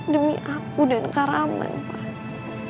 demi aku dan karaman pak